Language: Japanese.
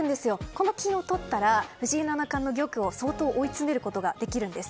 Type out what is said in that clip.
この金をとったら藤井七冠の玉を相当追い詰めることができるんです。